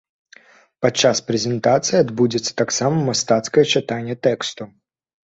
Падчас прэзентацыі адбудзецца таксама мастацкае чытанне тэксту.